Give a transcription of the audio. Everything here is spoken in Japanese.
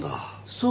そう。